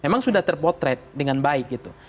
memang sudah terpotret dengan baik gitu